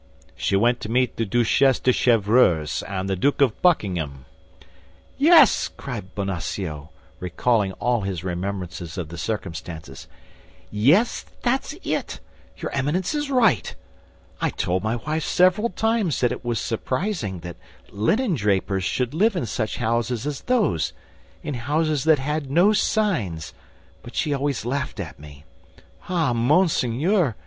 "She went to meet the Duchesse de Chevreuse and the Duke of Buckingham." "Yes," cried Bonacieux, recalling all his remembrances of the circumstances, "yes, that's it. Your Eminence is right. I told my wife several times that it was surprising that linen drapers should live in such houses as those, in houses that had no signs; but she always laughed at me. Ah, monseigneur!"